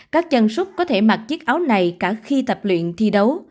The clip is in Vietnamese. các chân xuất có thể mặc chiếc áo này cả khi tập luyện thi đấu